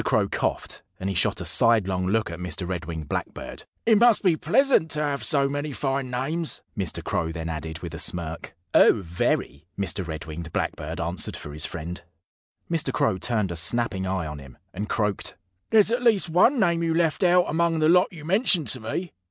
Crow coughed; and he shot a sidelong look at Mr. Red winged Blackbird. "It must be pleasant to have so many fine names," Mr. Crow then added, with a smirk. "Oh, very!" Mr. Red winged Blackbird answered for his friend. Mr. Crow turned a snapping eye on him, and croaked: "There's at least one name you left out among the lot you mentioned to me.